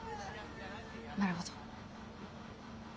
なるほど。